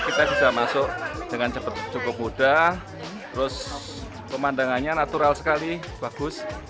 kita bisa masuk dengan cepat cukup mudah terus pemandangannya natural sekali bagus